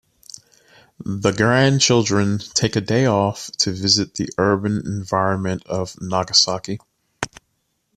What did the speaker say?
The grandchildren take a day off to visit the urban environment of Nagasaki.